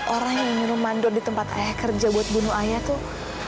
orang yang minum mandor di tempat ayah kerja buat bunuh ayah tuh